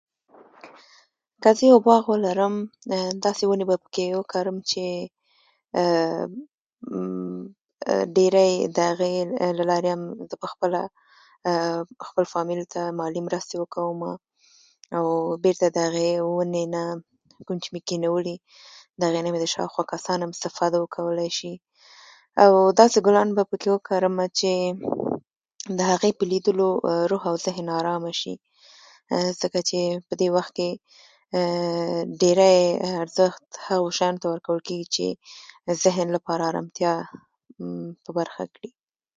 که زه یو باغ ولرم داسي ونې به پکې وکرم چې مممم ډیری د هغه له لارې ممممم زه خپل فامیل ته مالي مرستې وکومه مممم او بیرته د هغه ونې چې کینولي مې دي شاوخوا کسان هم استفاده وکولای شي او داسي ګلان به وکرم پکې چې د هغه په لیدلو روح او ذهن آرامه شي ځکه چې بدې وخت کې ډیری ارزښت هغو شيانو ته ورکول کیږي چې ذهن لپاره آرامتيا په برخه کړي